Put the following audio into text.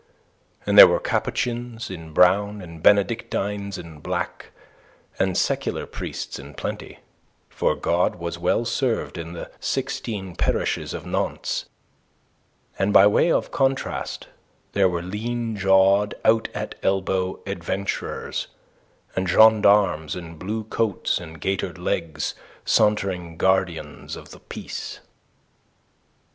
And there were Capuchins in brown and Benedictines in black, and secular priests in plenty for God was well served in the sixteen parishes of Nantes and by way of contrast there were lean jawed, out at elbow adventurers, and gendarmes in blue coats and gaitered legs, sauntering guardians of the peace.